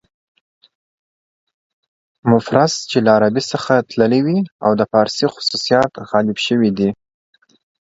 مفرس چې له عربي څخه تللي وي او د فارسي خصوصیات غالب شوي دي.